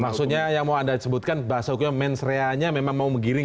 maksudnya yang mau anda sebutkan bahasa hukumnya mensreanya memang mau menggiring